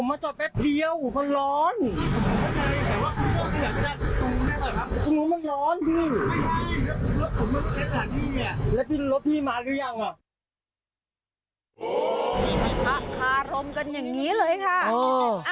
ไม่รู้มันร้อนพี่ไม่รถ